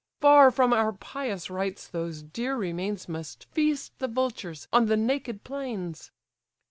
Far from our pious rites those dear remains Must feast the vultures on the naked plains."